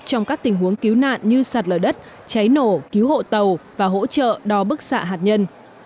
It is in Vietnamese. trong các tình huống cứu nạn như sạt lở đất cháy nổ cứu hộ tàu và hỗ trợ đo bức xạ hạt nhân